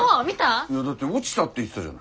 いやだって落ちたって言ってたじゃない。